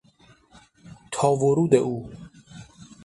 تا ورود او